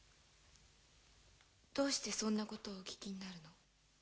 どうしてそんなことをお聞きになるの？